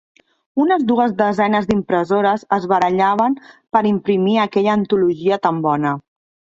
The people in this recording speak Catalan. Unes dues desenes d'impressores es barallaven per imprimir aquella antologia tan bona.